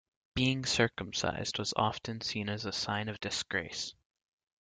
Being circumcised was often seen as a sign of disgrace.